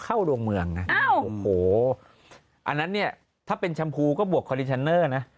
อันนั้นเนี่ยถ้าเป็นชำพูก็บวกคอลลิชันเนอร์นะ